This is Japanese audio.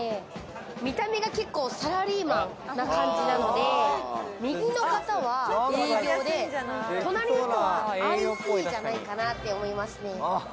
見た目が結構サラリーマンな感じなので、右の方は営業で、隣の人はＩＴじゃないかなって思いますね。